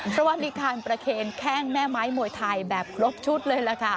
เพราะว่ามีการประเคนแข้งแม่ไม้มวยไทยแบบครบชุดเลยล่ะค่ะ